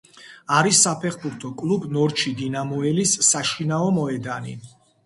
არის საფეხბურთო კლუბ „ნორჩი დინამოელის“ საშინაო მოედანი.